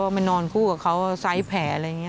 เอาไปนอนคู่กับเขาซ้ายแผลอะไรอย่างนี้